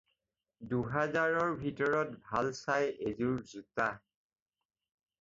দুহাজাৰৰ ভিতৰত ভাল চাই এযোৰ জোতা।